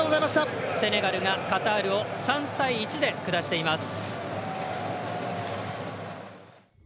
セネガルがカタールを３対１で下しています。